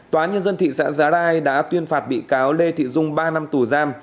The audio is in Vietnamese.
tòa nhân dân thị xã giá rai đã tuyên phạt bị cáo lê thị dung ba năm tù giam